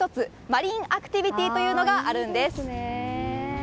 マリンアクティビティーというのがあるんです。